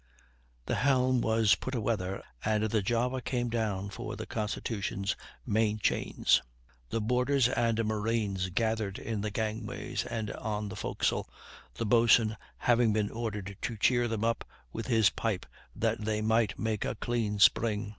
The helm was put a weather, and the Java came down for the Constitution's main chains. The boarders and marines gathered in the gangways and on the forecastle, the boatswain having been ordered to cheer them up with his pipe that they might make a clean spring.